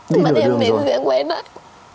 đi nửa đường rồi